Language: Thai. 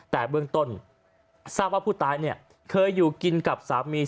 แต่เบื้องต้นทราบว่าผู้ตายเนี่ยเคยอยู่กินกับสามี